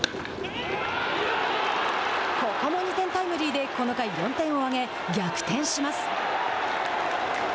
ここも２点タイムリーでこの回４点を挙げ、逆転します。